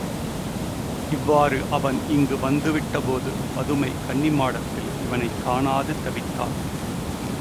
இவ்வாறு அவன் இங்கு வந்து விட்டபோது பதுமை கன்னிமாடத்தில் இவனைக் காணாது தவித்தாள்.